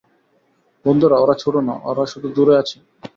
বন্ধুরা, ওরা ছোট না, ওরা শুধু দূরে আছে।